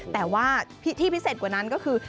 แต่ว่าที่พิเศษกว่านั้นก็คือ